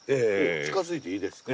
近づいていいですか？